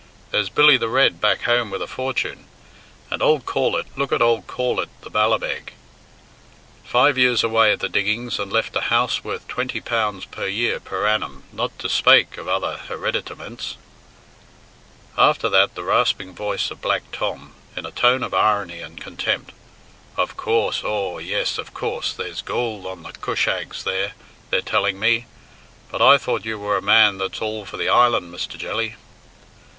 There's Billy the Red back home with a fortune. And ould Corlett look at ould Corlett, the Ballabeg! Five years away at the diggings, and left a house worth twenty pounds per year per annum, not to spake of other hereditaments." After that the rasping voice of Black Tom, in a tone of irony and contempt: "Of coorse, aw, yes, of coorse, there's goold on the cushags there, they're telling me. But I thought you were a man that's all for the island, Mr. Jelly."